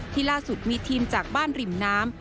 ล่าสุดมีทีมจากบ้านริมน้ำ